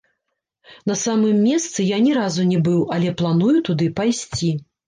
На самым месцы я ні разу не быў, але планую туды пайсці.